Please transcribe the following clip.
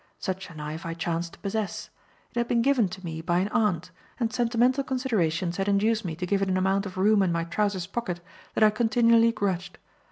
Such a knife I chanced to possess. It had been given to me by an aunt, and sentimental considerations had induced me to give it an amount of room in my trousers' pocket that I continually grudged.